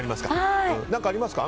何かありますか？